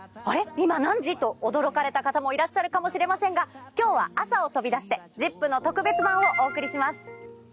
今何時？と驚かれた方もいらっしゃるかもしれませんが今日は朝を飛び出して『ＺＩＰ！』の特別版をお送りします。